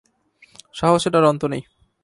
–সাহসের আর অন্ত নেই!